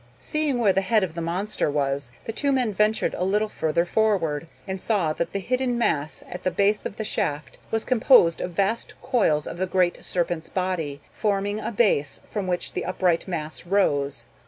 Seeing where the head of the monster was, the two men ventured a little further forward, and saw that the hidden mass at the base of the shaft was composed of vast coils of the great serpent's body, forming a base from which the upright mass rose.